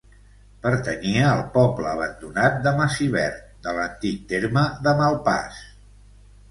Pertanyia al poble abandonat de Massivert, de l'antic terme de Malpàs.